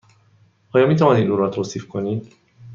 آیا می توانید او را توصیف کنید؟